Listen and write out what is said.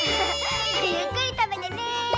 ゆっくりたべてね。